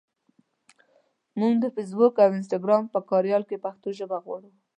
مونږ د فېسبوک او انسټګرام په کاریال کې پښتو ژبه غواړو.